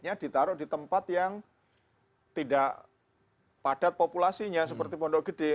hanya ditaruh di tempat yang tidak padat populasinya seperti pondok gede